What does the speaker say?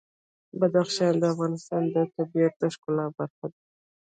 بدخشان د افغانستان د طبیعت د ښکلا برخه ده.